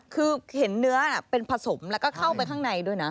คือเห็นเนื้อเป็นผสมแล้วก็เข้าไปข้างในด้วยนะ